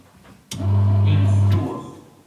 instruos